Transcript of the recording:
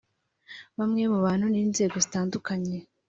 Bamwe mu bantu n’inzego zitandukanye